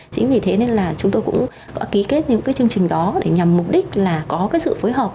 chính vì thế nên là chúng tôi cũng có ký kết những cái chương trình đó để nhằm mục đích là có cái sự phối hợp